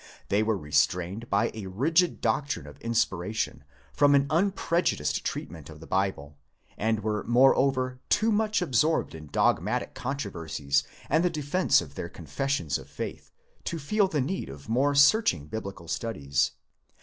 They were restrained by a rigid doctrine of inspir ation from an unprejudiced treatment of the Bible, and were moreover too much absorbed in dogmatic controversies and the defence of their confessions of faith, to feel the need of more searching Biblical studies.